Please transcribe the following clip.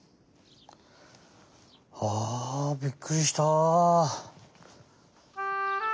ああびっくりした！